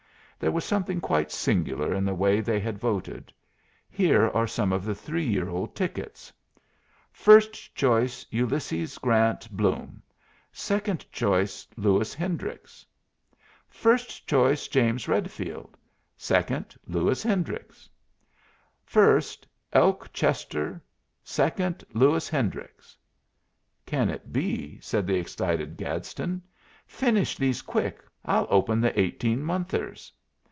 There was something quite singular in the way they had voted. Here are some of the 3 year old tickets: "First choice, Ulysses Grant Blum; 2d choice, Lewis Hendricks." "First choice, James Redfield; 2d, Lewis Hendricks." "First, Elk Chester; 2d, Lewis Hendricks." "Can it be?" said the excited Gadsden. "Finish these quick. I'll open the 18 monthers."